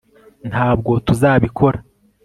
ntabwo tuzabikora